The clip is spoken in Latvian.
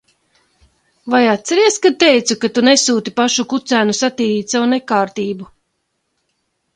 Vai atceries, kad teicu, ka tu nesūti pašu kucēnu satīrīt savu nekārtību?